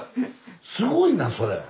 すごいなそれ。